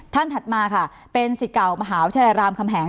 ถัดมาค่ะเป็นสิทธิ์เก่ามหาวิทยาลัยรามคำแหง